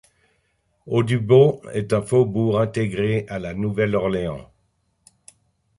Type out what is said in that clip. Audubon est un faubourg intégré à La Nouvelle-Orléans.